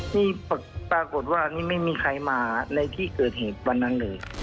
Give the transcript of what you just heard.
นี่ปรากฏว่านี่ไม่มีใครมาในที่เกิดเหตุวันนั้นเลย